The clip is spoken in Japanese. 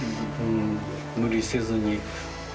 無理せずに。